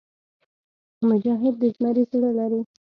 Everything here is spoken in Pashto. مجاهد د زمري زړه لري.